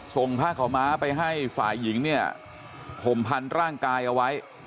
ส่งผ้าขาวม้าไปให้ฝ่ายหญิงเนี่ยห่มพันร่างกายเอาไว้